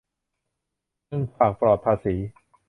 เงินฝากปลอดภาษี